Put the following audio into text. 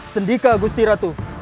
sendika agusti ratu